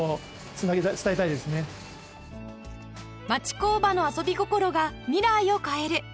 町工場の遊び心が未来を変える